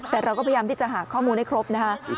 แต่เราก็พยายามที่จะหาข้อมูลให้ครบนะคะ